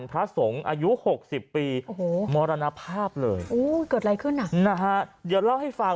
พระสงฆ์อายุหกสิบปีโอ้โหมรณภาพเลยโอ้เกิดอะไรขึ้นอ่ะนะฮะเดี๋ยวเล่าให้ฟัง